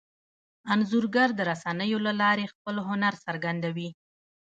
انځورګر د رسنیو له لارې خپل هنر څرګندوي.